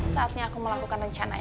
saatnya aku mau lakukan rencana yang lain